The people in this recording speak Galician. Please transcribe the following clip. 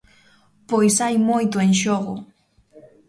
Pois hai moito en xogo.